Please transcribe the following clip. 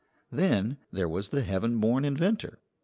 Then there was the heaven born inventor.